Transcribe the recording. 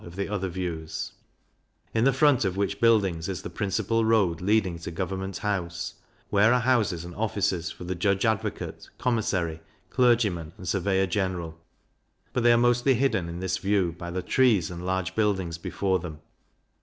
of the other Views; in the front of which buildings is the principal road leading to Government House, where are houses and offices for the Judge Advocate, Commissary, Clergyman, and Surveyor General; but they are mostly hidden in this View by the trees and large buildings before them.